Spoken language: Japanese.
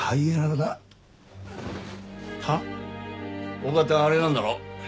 大方あれなんだろ？